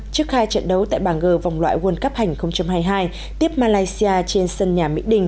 trước khai trận đấu tại bảng g vòng loại quân cấp hành hai mươi hai tiếp malaysia trên sân nhà mỹ đình